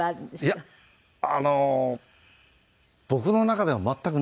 いやあの僕の中では全くないんです。